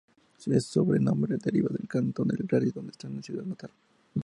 Su sobrenombre deriva del cantón de Glaris, donde está su ciudad natal.